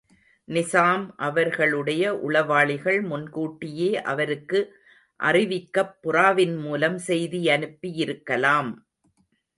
நிசாம் அவர்களுடைய உளவாளிகள் முன் கூட்டியே அவருக்கு அறிவிக்கப் புறாவின்மூலம் செய்தியனுப்பியிருக்கலாம்.